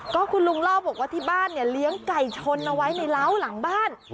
ก็คุณลุงเล่าบอกว่าที่บ้านเนี่ยเลี้ยงไก่ชนเอาไว้ในเล้าหลังบ้าน